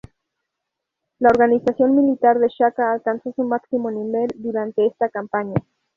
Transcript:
La organización militar de Shaka alcanzó su máximo nivel durante esta campaña.